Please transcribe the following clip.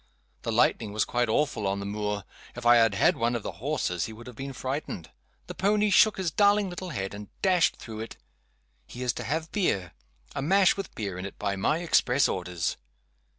The lightning was quite awful on the moor. If I had had one of the horses, he would have been frightened. The pony shook his darling little head, and dashed through it. He is to have beer. A mash with beer in it by my express orders.